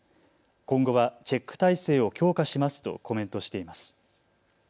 今後はチェック体制を強化しますとコメントしています。